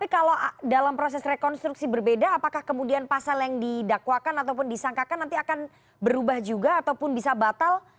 tapi kalau dalam proses rekonstruksi berbeda apakah kemudian pasal yang didakwakan ataupun disangkakan nanti akan berubah juga ataupun bisa batal